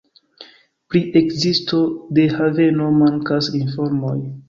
Pri ekzisto de haveno mankas informoj.